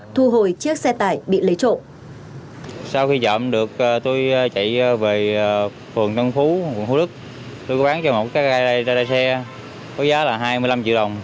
thu hồi chiếc xe tải bị lấy trộm